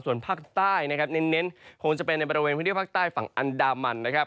ส่วนภาคใต้นะครับเน้นคงจะเป็นในบริเวณพื้นที่ภาคใต้ฝั่งอันดามันนะครับ